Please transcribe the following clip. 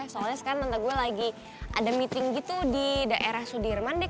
soalnya sekarang tante gue lagi ada meeting gitu di daerah sudirman deh